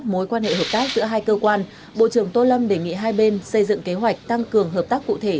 mối quan hệ hợp tác giữa hai cơ quan bộ trưởng tô lâm đề nghị hai bên xây dựng kế hoạch tăng cường hợp tác cụ thể